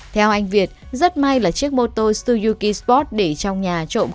theo anh việt rất may là chiếc moto tsuyuki sport để trong nhà trộm không